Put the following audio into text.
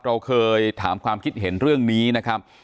เราเคยถามความคิดเห็นเรื่องนี้นะครับ